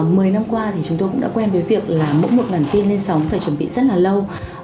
mười năm qua thì chúng tôi cũng đã quen với việc là mỗi một bản tin lên sóng phải chuẩn bị rất là lâu